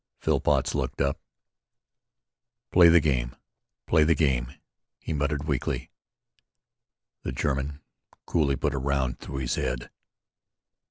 Phillpots looked up: "Play the game! Play the game!" he muttered weakly. The German coolly put a round through his head.